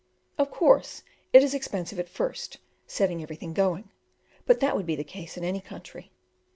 Of course, it is expensive at first, setting everything going, but that would be the case in any country.